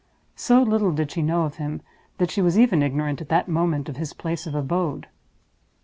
So little did she know of him that she was even ignorant at that moment of his place of abode.